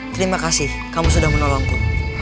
terima kasih kamu sudah menolongku